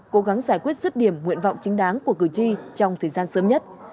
cố gắng giải quyết rứt điểm nguyện vọng chính đáng của cử tri trong thời gian sớm nhất